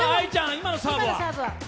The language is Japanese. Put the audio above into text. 今のサーブは？